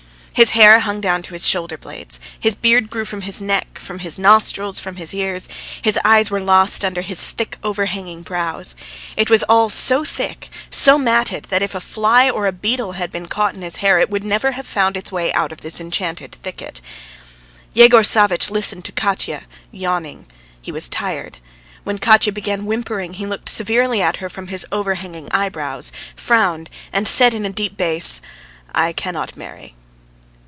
His hair hung down to his shoulder blades, his beard grew from his neck, from his nostrils, from his ears; his eyes were lost under his thick overhanging brows. It was all so thick, so matted, that if a fly or a beetle had been caught in his hair, it would never have found its way out of this enchanted thicket. Yegor Savvitch listened to Katya, yawning. He was tired. When Katya began whimpering, he looked severely at her from his overhanging eyebrows, frowned, and said in a heavy, deep bass: "I cannot marry."